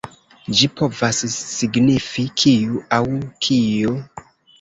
Ĝi povas signifi „kiu“ aŭ „kio“.